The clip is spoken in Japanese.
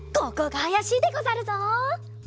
ここがあやしいでござるぞ！